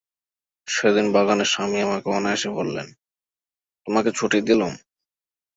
সেদিন বাগানে স্বামী আমাকে অনায়াসে বললেন, তোমাকে ছুটি দিলুম।